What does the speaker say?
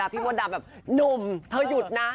พี่มดดำแบบหนุ่มเธอหยุดนะ